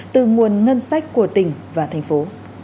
từ nguồn ngân sách của tỉnh và thành phố